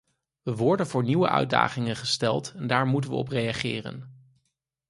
We worden voor nieuwe uitdagingen gesteld en daar moeten we op reageren.